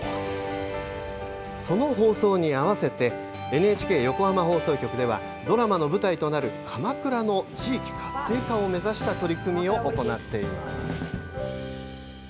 その放送に合わせてＮＨＫ横浜放送局ではドラマの舞台となる鎌倉の地域活性化を目指した取り組みを行っています。